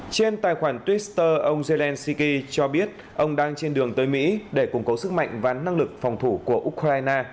trên tài khoản twitter ông zelensky cho biết ông đang trên đường tới mỹ để củng cố sức mạnh và năng lực phòng thủ của ukraine